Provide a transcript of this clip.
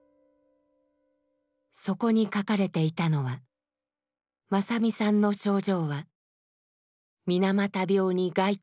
そこに書かれていたのは正実さんの症状は水俣病に該当しないというものでした。